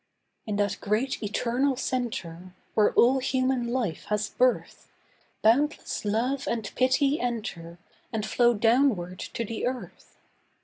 In that great eternal Centre Where all human life has birth, Boundless love and pity enter And flow downward to the earth.